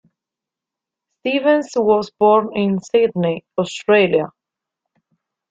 Stevens was born in Sydney, Australia.